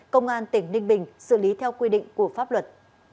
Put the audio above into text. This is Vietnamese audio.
công an tỉnh ninh bình xử lý theo quy định của pháp luật